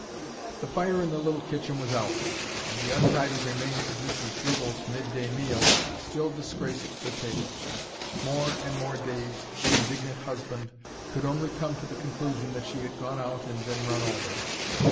The fire in the little kitchen was out, and the untidy remains of Mrs. Gribble's midday meal still disgraced the table. More and more dazed, the indignant husband could only come to the conclusion that she had gone out and been run over.